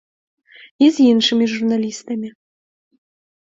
І з іншымі журналістамі.